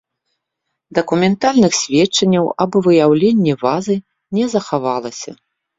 Дакументальных сведчанняў аб выяўленні вазы не захавалася.